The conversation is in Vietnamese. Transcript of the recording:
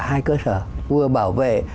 hai cơ sở vừa bảo vệ